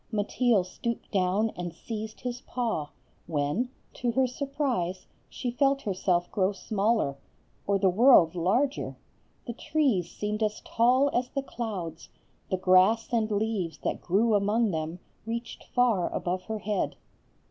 Mateel stooped down and seized his paw, when, to her surprise, she felt herself grow smaller, or the world larger; the trees seemed as tall as the clouds; the grass and leaves that grew among them reached far above her head.